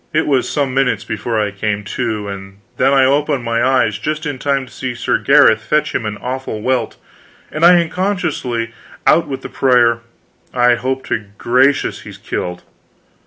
It was some minutes before I came to, and then I opened my eyes just in time to see Sir Gareth fetch him an awful welt, and I unconsciously out with the prayer, "I hope to gracious he's killed!"